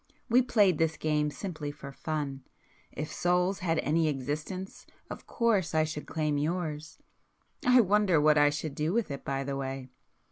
We played this game simply for fun. If souls had any existence of course I should claim yours;—I wonder what I should do with it by the way!"